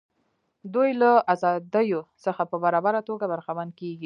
دوی له ازادیو څخه په برابره توګه برخمن کیږي.